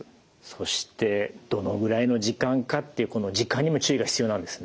そしてどのぐらいの時間かっていうこの時間にも注意が必要なんですね。